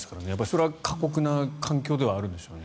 それは過酷な環境ではあるんでしょうね。